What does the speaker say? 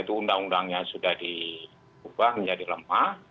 itu undang undangnya sudah diubah menjadi lemah